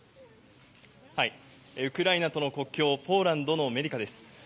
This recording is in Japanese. ウクライナとの国境ポーランドのメディカです。